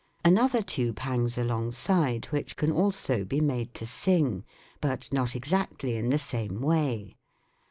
Another tube hangs alongside which can also be made to sing, but not exactly in the same way.